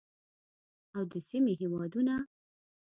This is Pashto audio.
او د سیمې هیوادونه